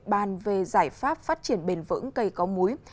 bàn về giải pháp phát triển bền vững cây có múi